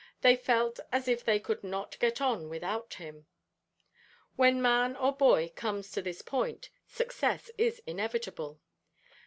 They felt as if they could not get on without him. When man or boy comes to this point, success is inevitable.